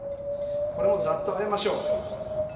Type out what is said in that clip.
これもザッとあえましょう。